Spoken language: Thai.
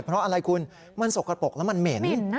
เพราะอะไรคุณมันสกปรกแล้วมันเหม็น